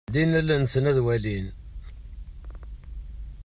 Ldin allen-nsen ad walin.